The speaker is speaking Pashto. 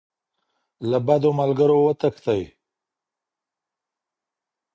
له بدو ملګرو وتښتئ.